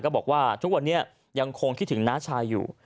บอกว่าทุกวันนี้ยังคงคิดถึงน้าชายอยู่